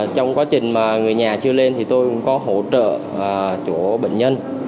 trong quá trình mà người nhà chưa lên thì tôi cũng có hỗ trợ chỗ bệnh nhân